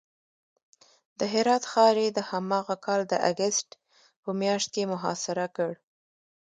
د هرات ښار یې د هماغه کال د اګست په میاشت کې محاصره کړ.